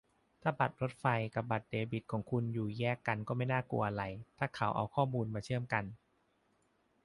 "ถ้าบัตรรถไฟฟ้ากับบัตรเดบิตของคุณอยู่แยกกันก็ไม่น่ากลัวอะไร ถ้าเขาเอาข้อมูลมาเชื่อมกัน"